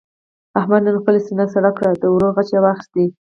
احمد نن خپله سینه سړه کړه. د ورور غچ یې واخیست.